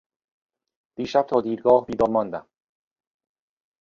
دیشب تا دیرگاه بیدار ماندم.